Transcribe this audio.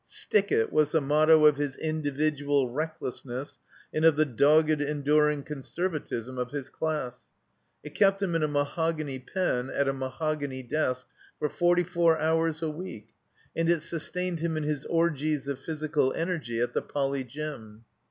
"Stick it!" was the motto of his individual recMessness and of the dogged, enduring conservatism of his class. It kept him in a mahogany * pen, at a mahogany desk, for forty four hours a week, and it sustained him in his orgies of physical energy at the Poly. Gym.